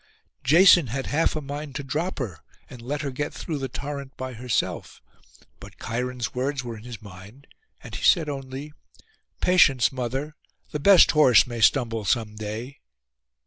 Jason had half a mind to drop her, and let her get through the torrent by herself; but Cheiron's words were in his mind, and he said only, 'Patience, mother; the best horse may stumble some day.